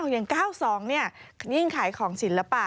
อย่าง๙๒ยิ่งขายของศิลปะ